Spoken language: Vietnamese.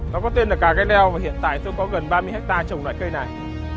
nó có tên là cà reo và hiện tại tôi có gần ba mươi hectare trồng loại cây này